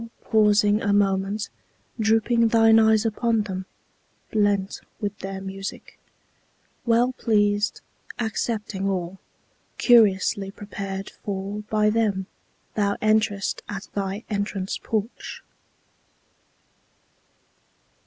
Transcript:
pausing a moment, drooping thine eyes upon them, blent with their music, Well pleased, accepting all, curiously prepared for by them, Thou enterest at thy entrance porch.